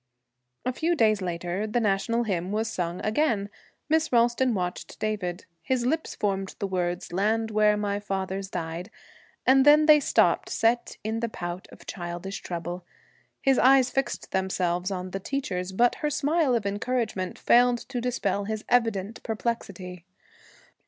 A few days later, the national hymn was sung again. Miss Ralston watched David. His lips formed the words 'Land where my fathers died,' and then they stopped, set in the pout of childish trouble. His eyes fixed themselves on the teacher's, but her smile of encouragement failed to dispel his evident perplexity.